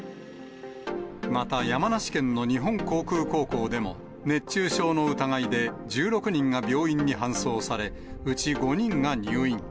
また山梨県の日本航空高校でも、熱中症の疑いで、１６人が病院に搬送され、うち５人が入院。